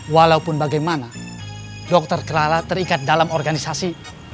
walaupun bagaimana dr clara terikat dalam organisasi